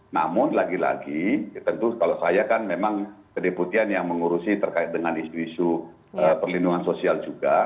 namun lagi lagi tentu kalau saya kan memang kedeputian yang mengurusi terkait dengan isu isu perlindungan sosial juga